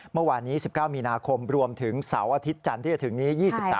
เมื่อวานนี้๑๙มีนาคมรวมถึงเสาร์อาทิตย์จันทร์ที่จะถึงนี้